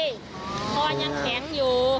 พอยังแข็งอยู่